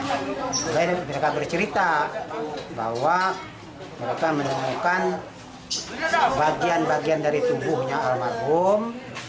kemudian mereka bercerita bahwa mereka menemukan bagian bagian dari tubuhnya almarhum